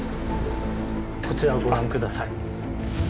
こちらをご覧ください。